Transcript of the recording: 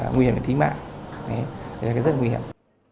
nguy hiểm là thí mạng rất là nguy hiểm